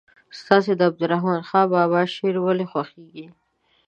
ستاسې د عبدالرحمان بابا شعر ولې خوښیږي.